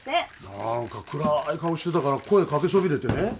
何か暗い顔してたから声かけそびれてね